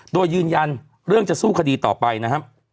โดยยืนยันเรื่องจะสู้คดีต่อไปนะครับ